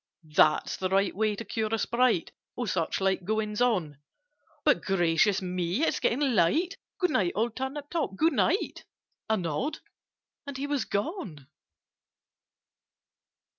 "That's the right way to cure a Sprite Of such like goings on— But gracious me! It's getting light! Good night, old Turnip top, good night!" A nod, and he was gone.